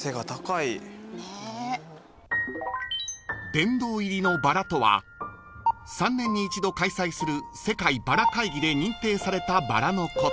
［殿堂入りのバラとは３年に１度開催する世界バラ会議で認定されたバラのこと］